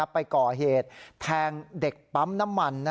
ไปก่อเหตุแทงเด็กปั๊มน้ำมัน